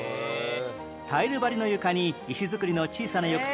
タイル張りの床に石造りの小さな浴槽が５つ